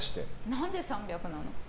何で３００なの？